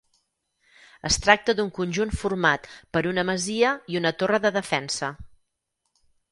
Es tracta d'un conjunt format per una masia i una torre de defensa.